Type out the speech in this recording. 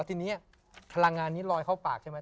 ทีนี้พลังงานนี้ลอยเข้าปากใช่ไหม